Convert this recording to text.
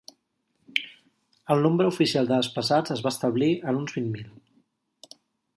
El nombre oficial de desplaçats es va establir en uns vint mil.